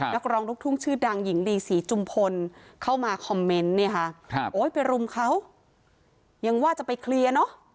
นักร้องลูกทุ่งชื่อดังหญิงดีศรีจุมพลเข้ามาคอมเมนต์เนี่ยค่ะโอ้ยไปรุมเขายังว่าจะไปเคลียร์เนอะ